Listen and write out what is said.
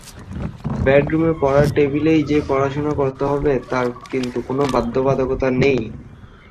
বেডরুমের পড়ার টেবিলেই যে পড়াশুনা করতে হবে, তার কিন্তু কোনো বাধ্যবাধকতা নেই।